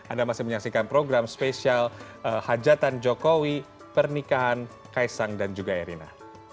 anda masih menyaksikan program spesial hajatan jokowi pernikahan kaisang dan juga erina